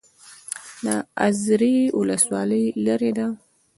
د ازرې ولسوالۍ لیرې ده